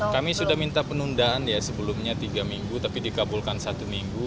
kami sudah minta penundaan ya sebelumnya tiga minggu tapi dikabulkan satu minggu